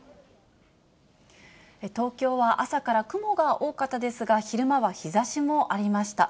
東京は朝から雲が多かったですが、昼間は日ざしもありました。